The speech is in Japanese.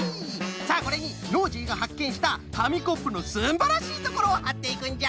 さあこれにノージーがはっけんしたかみコップのすんばらしいところをはっていくんじゃ。